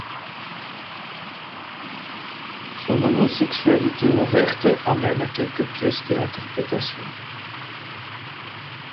Son homosexualité ouverte amène à quelques pièces et interprétations.